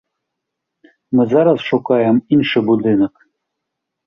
Мы зараз шукаем іншы будынак.